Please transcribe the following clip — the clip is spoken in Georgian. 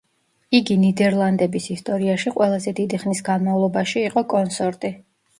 იგი ნიდერლანდების ისტორიაში ყველაზე დიდი ხნის განმავლობაში იყო კონსორტი.